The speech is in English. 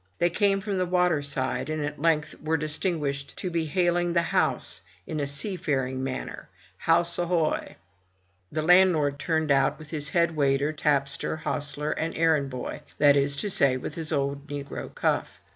They came from the water side, and at length were distinguished to be hailing the house in the sea faring manner, House a hoy!'* The landlord turned out with his head waiter, tapster, hostler, and errand boy — that is to say, with his old negro Cuff.